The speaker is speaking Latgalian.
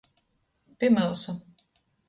Pi myusu.